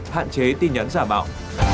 hạn chế tin nhắn giả bạo